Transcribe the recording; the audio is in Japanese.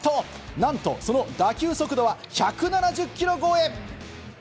なんとその打球速度は１７０キロ超え。